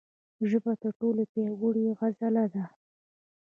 ژبه تر ټولو پیاوړې عضله ده.